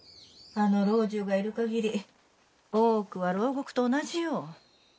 あの老中がいる限り大奥は牢獄と同じよ。